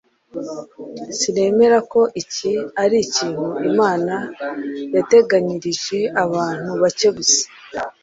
Sinemera ko iki ari ikintu Imana yateganyirije abantu bake gusa.